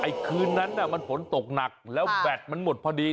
คืนนั้นน่ะมันฝนตกหนักแล้วแบตมันหมดพอดี